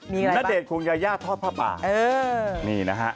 เมื่อวานยังโทรมาตาม